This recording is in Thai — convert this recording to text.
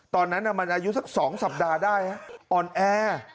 ตอนนั้นมันอายุสัก๒สัปดาห์ได้อ่อนแอ